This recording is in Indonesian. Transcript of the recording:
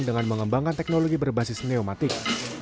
dengan mengembangkan teknologi berbasis sineomatik